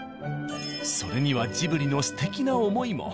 それにはジブリのすてきな思いも。